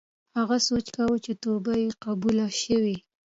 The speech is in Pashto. هغه سوچ کاوه چې توبه یې قبوله شوې.